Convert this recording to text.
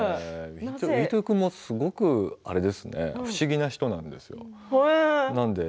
飯豊君もすごく不思議な人なんですよ。